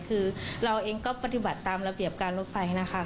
คือเราเองก็ปฏิบัติตามระเบียบการรถไฟนะคะ